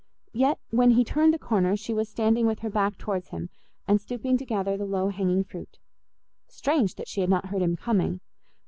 Yet when he turned the corner she was standing with her back towards him, and stooping to gather the low hanging fruit. Strange that she had not heard him coming!